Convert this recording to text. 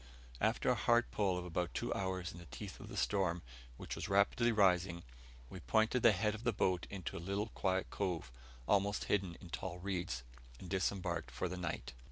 After a hard pull of about two hours in the teeth of the storm, which was rapidly rising, we pointed the head of the boat into a little quiet cove, almost hidden in tall reeds, and disembarked for the night.